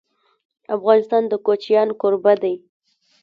افغانستان د کوچیان کوربه دی.